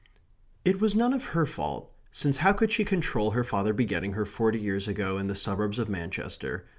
It was none of her fault since how could she control her father begetting her forty years ago in the suburbs of Manchester?